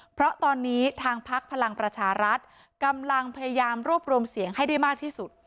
เพราะตอนนี้ทางพักพลังประชารัฐกำลังพยายามรวบรวมเสียงให้ได้มากที่สุด